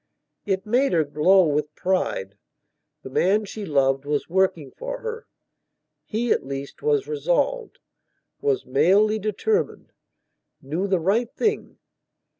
It made her glow with pride; the man she loved was working for her. He at least was resolved; was malely determined; knew the right thing.